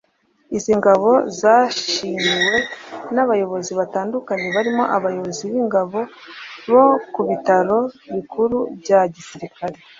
Izi ngabo zashimiwe n’abayobozi batandukanye barimo abayobozi b’ingabo bo ku bitaro bikuru bya Gisirikari